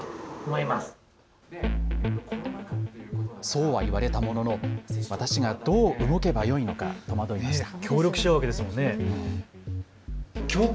そうは言われたものの私がどう動けばよいのか戸惑いました。